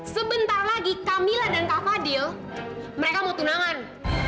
sebentar lagi camilla dan kak fadil mereka mau tunangan